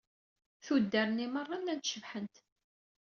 Tuddar-nni merra llant cebḥent.